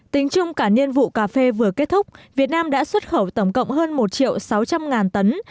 tính chung cả nhiên vụ cà phê vừa kết thúc việt nam đã xuất khẩu tổng cộng hơn một triệu sáu trăm linh tấn